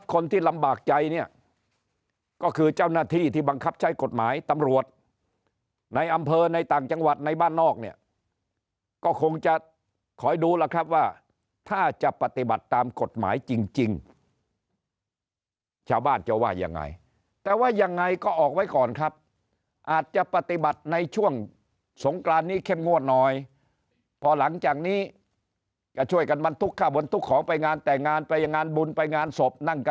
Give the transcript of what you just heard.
คนที่ลำบากใจเนี่ยก็คือเจ้าหน้าที่ที่บังคับใช้กฎหมายตำรวจในอำเภอในต่างจังหวัดในบ้านนอกเนี่ยก็คงจะคอยดูแล้วครับว่าถ้าจะปฏิบัติตามกฎหมายจริงชาวบ้านจะว่ายังไงแต่ว่ายังไงก็ออกไว้ก่อนครับอาจจะปฏิบัติในช่วงสงกรานนี้เข้มงวดหน่อยพอหลังจากนี้จะช่วยกันบรรทุกข้าวบนทุกของไปงานแต่งงานไปงานบุญไปงานศพนั่งก